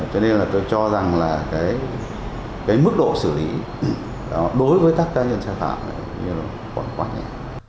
cho nên là tôi cho rằng là cái mức độ xử lý đối với các cá nhân sai phạm này cũng như là quá nhẹ